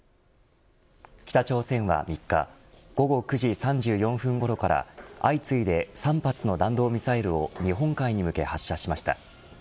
北朝鮮は３日午後９時３４分ごろから相次いで３発の弾道ミサイルを日本海に向け発射しました。